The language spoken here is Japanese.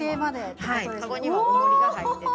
カゴにはおもりが入ってて。